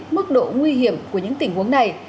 mức độ nguy hiểm của những tình huống này